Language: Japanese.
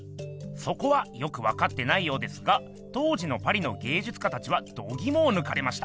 そこはよくわかってないようですが当時のパリの芸術家たちはどぎもをぬかれました。